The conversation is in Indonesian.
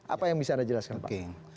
apa yang bisa anda jelaskan pak